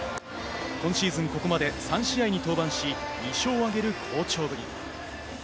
今シーズン、ここまで３試合に登板し、２勝を挙げる好調ぶり。